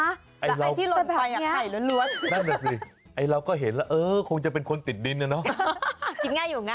การที่ล่มไข่ใหญ่ล้วนนั่นแหละสิไอ้เราก็เห็นคงจะเป็นคนติดดินเนอะเนาะ